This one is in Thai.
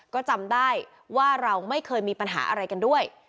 ก็จำได้ว่าเราไม่เคยมีปัญหาอะไรกันด้วย